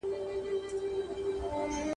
او پلار مور سره پر اوسېدلو خپل ارمانونه ستي کړي